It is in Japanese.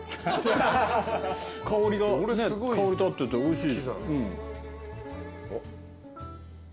香り立ってておいしい。